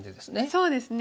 そうですね。